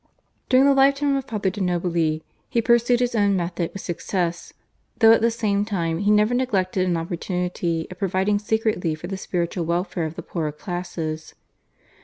During the lifetime of Father de' Nobili he pursued his own method with success, though at the same time he never neglected an opportunity of providing secretly for the spiritual welfare of the poorer classes.